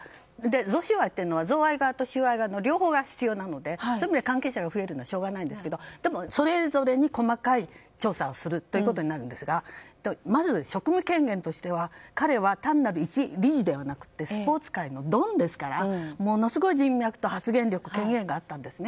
贈収賄は贈賄側と収賄側の両方側が必要なので関係者が増えるのは仕方ないんですがでも、それぞれに細かい調査をするということになるんですがまず職務権限としては彼は単なる一理事ではなくスポーツ界のドンですからものすごい人脈と発言力、権限があったんです。